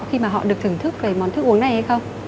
khi mà họ được thưởng thức về món thức uống này hay không